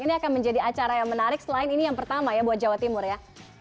ini akan menjadi acara yang menarik selain ini yang pertama ya buat jawa timur ya